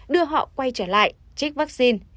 đưa họ quay trở lại trích vaccine